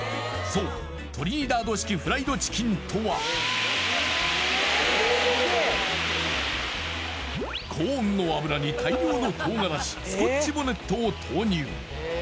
そうトリニダード式フライドチキンとは高温の油に大量の唐辛子スコッチボネットを投入